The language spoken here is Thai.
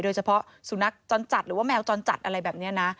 สุนัขจรจัดหรือว่าแมวจรจัดอะไรแบบนี้นะ